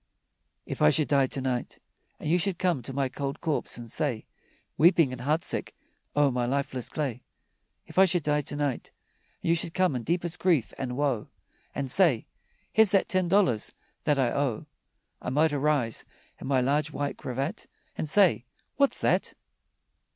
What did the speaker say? If I should die to night And you should come to my cold corpse and say, Weeping and heartsick o'er my lifeless clay If I should die to night, And you should come in deepest grief and woe And say: "Here's that ten dollars that I owe," I might arise in my large white cravat And say, "What's that?"